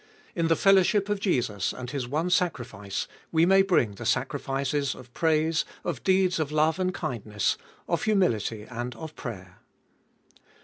In the fellowship of Jesus and His one sacrifice, we may bring the sacrifices of praise, of deeds of love and kindness, of humility and of prayer.